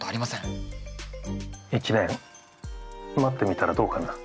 １年待ってみたらどうかな？